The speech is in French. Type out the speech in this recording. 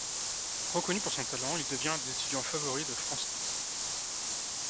Reconnu pour son talent, il devient un des étudiants favori de Franz Liszt.